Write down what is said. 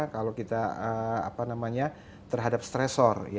kalau kita terhadap stressor